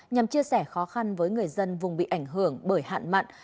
nhằm chia sẻ khó khăn với người dân vùng bị ảnh hưởng bởi hạn mặn